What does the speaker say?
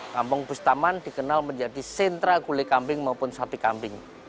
kampung bustaman dikenal menjadi sentra gulai kambing maupun sapi kambing